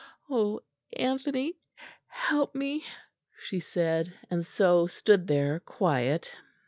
"Oh, Anthony, help me!" she said; and so stood there, quiet.